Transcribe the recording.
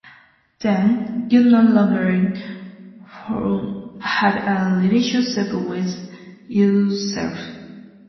Then you no longer have a relationship with yourself.